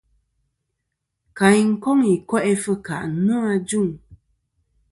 Kayn koŋ i ko'i fɨkà nô ajuŋ.